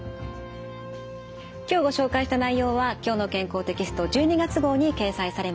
今日ご紹介した内容は「きょうの健康」テキスト１２月号に掲載されます。